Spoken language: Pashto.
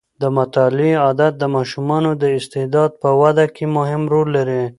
د مطالعې عادت د ماشومانو د استعداد په وده کې مهم رول لري.